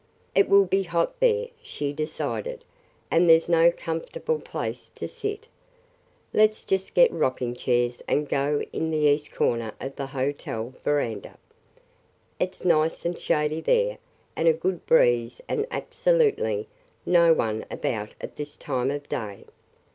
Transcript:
"It will be hot there," she decided, "and there 's no comfortable place to sit. Let 's just get rocking chairs and go in the east corner of the hotel veranda. It 's nice and shady there and a good breeze and absolutely no one about at this time of day."